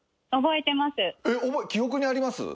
えっ記憶にあります？